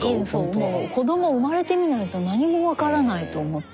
もう子供生まれてみないと何もわからないと思って。